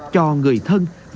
cho người dân